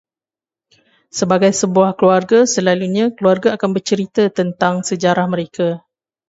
Sebagai sebuah keluarga, selalunya keluarga akan bercerita tentang sejarah mereka.